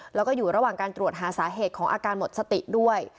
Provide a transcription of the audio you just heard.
แล้วก็อยู่ระหว่างการตรวจหาสาเหตุของอาการหมดสติด้วย